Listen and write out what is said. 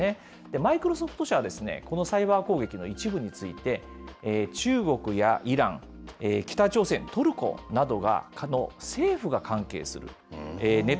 マイクロソフト社は、このサイバー攻撃の一部について、中国やイラン、北朝鮮、トルコなどの政府が関係するネット